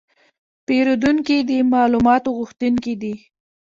پیرودونکي د معلوماتو غوښتونکي دي.